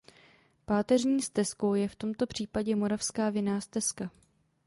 Páteřní stezkou je v tomto případě Moravská vinná stezka.